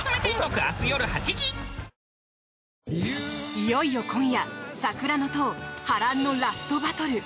いよいよ今夜「桜の塔」波乱のラストバトル！